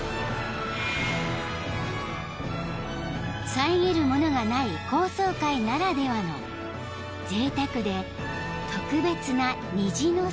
［遮るものがない高層階ならではのぜいたくで特別な虹の姿］